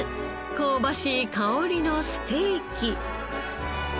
香ばしい香りのステーキ。